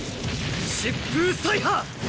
疾風砕破！